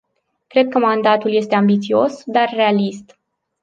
Cred că mandatul este ambițios, dar realist.